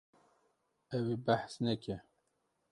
Ew ê behs neke.